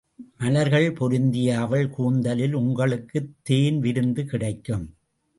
மலர்கள் பொருந்திய அவள் கூந்தலில் உங்களுக்குத் தேன் விருந்து கிடைக்கும்.